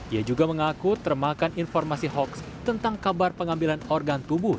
ia juga mengaku termakan informasi hoax tentang kabar pengambilan organ tubuh